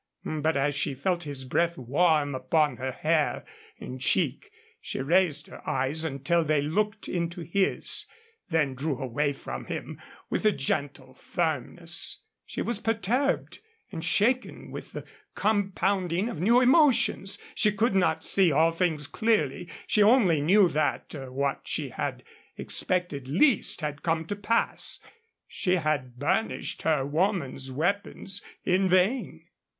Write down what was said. But as she felt his breath warm upon her hair and cheek she raised her eyes until they looked into his; then drew away from him with a gentle firmness. She was perturbed and shaken with the compounding of new emotions. She could not see all things clearly. She only knew that what she had expected least had come to pass. She had burnished her woman's weapons in vain.